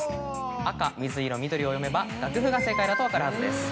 赤水色緑を読めば「がくふ」が正解だと分かるはずです。